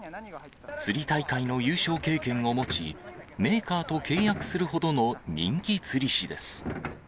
釣り大会の優勝経験を持ち、メーカーと契約するほどの人気釣り師です。